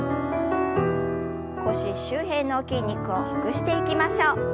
腰周辺の筋肉をほぐしていきましょう。